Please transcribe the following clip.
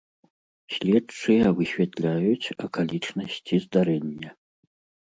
Следчыя высвятляюць акалічнасці здарэння.